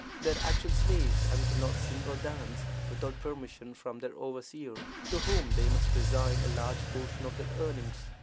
They are actual slaves, and can not sing or dance without permission from their overseer, to whom they must resign a large portion of their earnings.